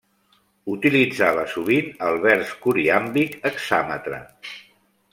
Utilitzava sovint el vers coriàmbic hexàmetre.